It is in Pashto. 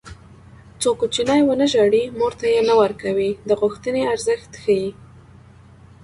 څو کوچنی ونه ژاړي مور تی نه ورکوي د غوښتنې ارزښت ښيي